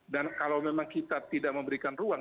dan kalau memang kita tidak memberikan ruang